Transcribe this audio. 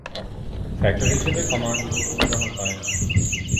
Factor হিসেবে command গ্রহণ করেন।